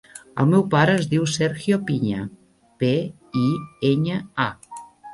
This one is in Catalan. El meu pare es diu Sergio Piña: pe, i, enya, a.